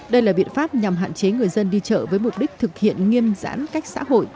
đây là biện pháp nhằm hạn chế người dân đi chợ với mục đích thực hiện nghiêm giãn cách xã hội